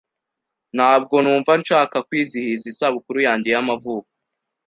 Ntabwo numva nshaka kwizihiza isabukuru yanjye y'amavuko.